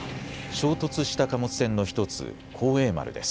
衝突した貨物船の１つ幸栄丸です。